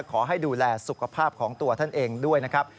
ขอให้ดูแลสุขภาพของตัวท่านเองด้วยนะครับ